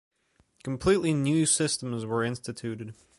Completely new systems were instituted.